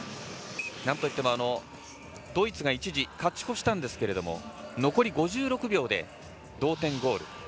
なんといってもドイツが一時勝ち越したんですが残り５６秒で同点ゴール。